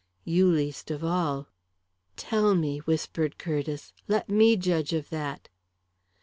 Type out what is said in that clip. "You least of all." "Tell me," whispered Curtiss. "Let me judge of that."